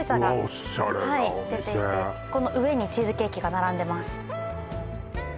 オシャレなお店この上にチーズケーキが並んでます